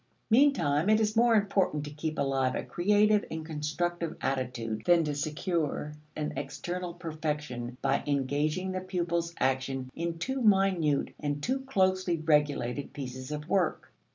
Meantime it is more important to keep alive a creative and constructive attitude than to secure an external perfection by engaging the pupil's action in too minute and too closely regulated pieces of work.